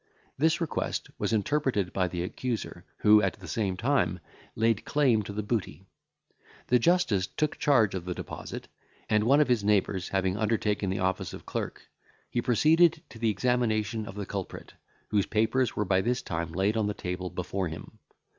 This request was interpreted by the accuser, who, at the same time, laid claim to the booty. The justice took charge of the deposit, and one of his neighbours having undertaken the office of clerk, he proceeded to the examination of the culprit, whose papers were by this time laid on the table before him.